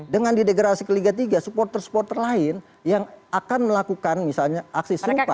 dengan didegrasi ke liga tiga supporter supporter lain yang akan melakukan misalnya aksi serupa